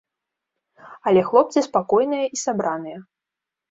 Але хлопцы спакойныя і сабраныя.